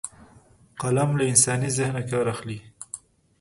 قلم له انساني ذهنه کار اخلي